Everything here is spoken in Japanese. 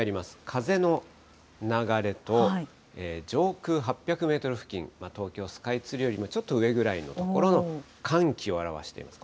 風の流れと、上空８００メートル付近、東京スカイツリーよりもちょっと上ぐらいの所の寒気を表しています。